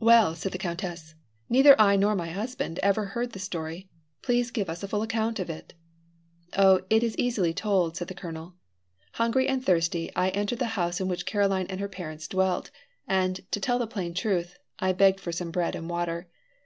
"Well," said the countess, "neither I nor my husband ever heard the story. Please give us a full account of it." "Oh, it is easily told," said the colonel. "Hungry and thirsty, I entered the house in which Caroline and her parents dwelt, and, to tell the plain truth, I begged for some bread and water.